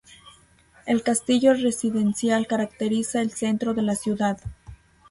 El castillo residencial caracteriza el centro de la ciudad.